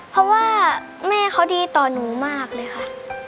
เพราะว่าแม่เขาดีต่อหนูมากเลยค่ะ